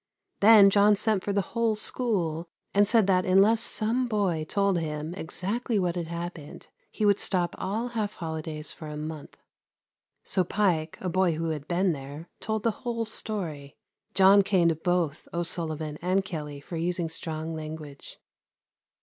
Then John sent for the whole school, and said that unless some boy told him exactly what had happened, he would stop all half holidays for a month. So Pyke, a boy who had been there, told the whole story. John caned both O'Sullivan and Kelley for using strong language.